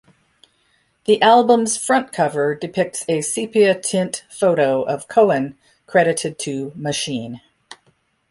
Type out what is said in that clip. The album's front cover depicts a sepia tint photo of Cohen credited to Machine.